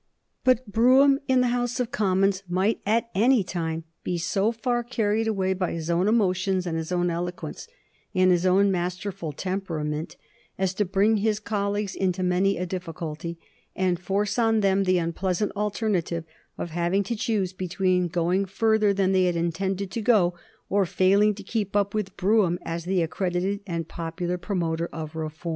But Brougham in the House of Commons might, at any time, be so far carried away by his own emotions, and his own eloquence, and his own masterful temperament as to bring his colleagues into many a difficulty, and force on them the unpleasant alternative of having to choose between going further than they had intended to go or failing to keep up with Brougham as the accredited and popular promoter of reform.